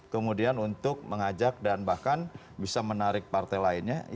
kemudian untuk mengajak dan bahkan bisa menarik partai lainnya